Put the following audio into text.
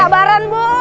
gak sabaran bu